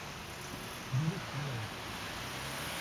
Direct News.